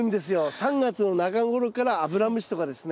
３月の中頃からアブラムシとかですね。